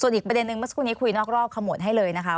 อีกประเด็นนึงเมื่อสักครู่นี้คุยนอกรอบขมวดให้เลยนะคะ